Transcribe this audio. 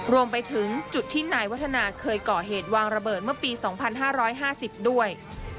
รวมไปถึงจุดที่นายวัฒนาเคยก่อเหตุวางระเบิดเมื่อปี๒๕๕๐ด้วย